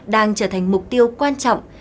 đang trở thành mục tiêu quan trọng